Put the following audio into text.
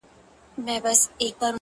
د يو وزر بې وزرو شناخت نه دی په کار!!